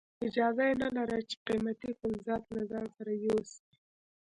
اجازه یې نه لرله چې قیمتي فلزات له ځان سره یوسي.